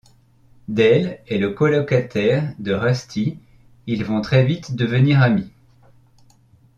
Dale est le colocataire de Rusty, ils vont très vite devenir amis.